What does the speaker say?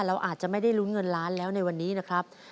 เราอาจจะไม่ได้ลุ้นเงินล้านแล้วในวันนี้นะครับ